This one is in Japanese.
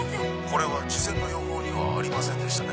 これは事前の予報にはありませんでしたね。